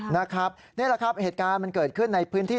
นี่แหละครับเหตุการณ์มันเกิดขึ้นในพื้นที่